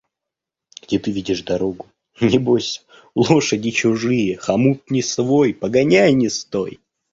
– Где ты видишь дорогу? Небось: лошади чужие, хомут не свой, погоняй не стой.